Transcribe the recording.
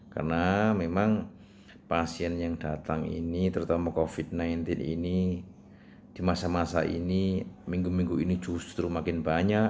karena memang pasien yang datang ini terutama covid sembilan belas ini di masa masa ini minggu minggu ini justru makin banyak